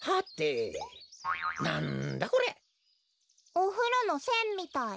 おふろのせんみたい。